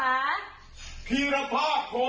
พีราภาโฮมา